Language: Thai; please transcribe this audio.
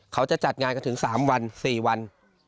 เขาจะจัดงานกันถึง๓วัน๔วัน